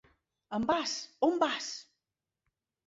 Envàs, on vas?